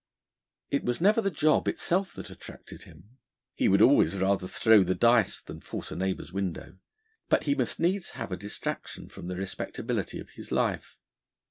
It was never the job itself that attracted him: he would always rather throw the dice than force a neighbour's window. But he must needs have a distraction from the respectability of his life.